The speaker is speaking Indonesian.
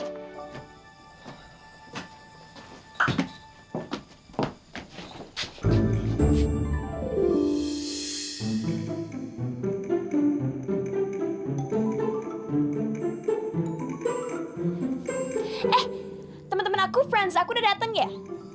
eh temen temen aku friends aku udah dateng ya